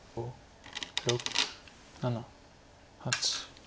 ６７８。